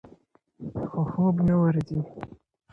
خو خوب نه ورځي.